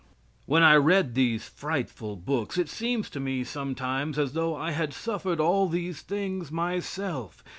When I read these frightful books it seems to me sometimes as though I had suffered all these things myself.